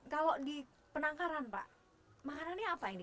kalau di penangkaran pak makanannya apa ini